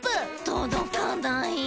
とどかない。